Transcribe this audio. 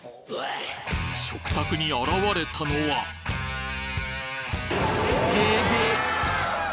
食卓に現れたのはげげ！